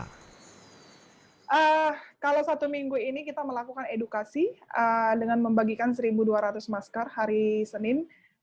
kalau satu minggu ini kita melakukan edukasi dengan membagikan satu dua ratus masker hari senin